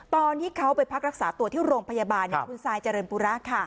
ตอนที่เขาไปพักรักษาตัวที่โรงพยาบาลคุณซายเจริญปุระ